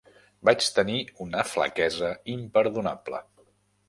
Vaig tenir una flaquesa imperdonable.